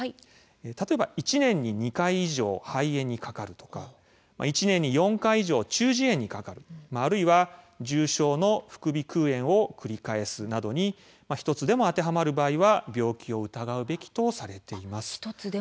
例えば１年に２回以上、肺炎にかかる１年に４回以上、中耳炎にかかるあるいは重症の副鼻くう炎を繰り返すなど１つでも当てはまる場合は病気を疑うべきとされています。